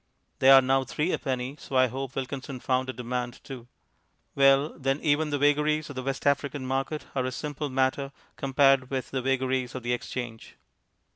They are now three a penny, so I hope Wilkinson found a demand, too) well, then, even the vagaries of the West African market are a simple matter compared with the vagaries of the Exchange.